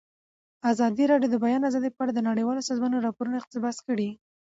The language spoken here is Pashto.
ازادي راډیو د د بیان آزادي په اړه د نړیوالو سازمانونو راپورونه اقتباس کړي.